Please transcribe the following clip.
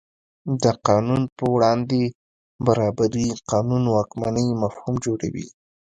د قانون په وړاندې برابري قانون واکمنۍ مفهوم جوړوي.